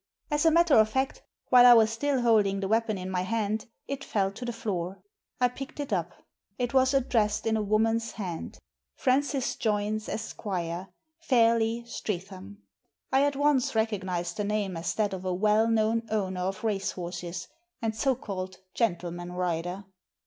As a matter of fact, while I was still holding the weapon in my hand it fell to the floor. I picked it up. It was addressed in a woman's hand, "Francis Joynes, Esq., Fairleigh, Streatham." I at once recognised the name as that of a well known owner of racehorses and so called "gentleman rider."